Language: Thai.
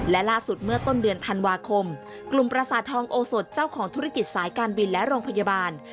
และล่าสุดเมื่อต้นเดือนธันวาคมกลุ่มประสาททองโอสดเจ้าของธุรกิจสายการบินและโรงพยาบาล